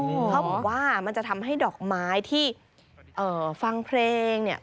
เพราะว่ามันจะทำให้ดอกไม้ที่ฟังเพลงเนี่ย